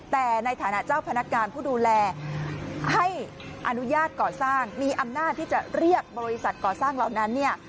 แต่ในฐานะเจ้าพนักงานผู้ดูแลให้อนุญาตก่อสร้างมีอำนาจที่จะเรียกบริษัทก่อสร้างเหล่านั้นเนี่ย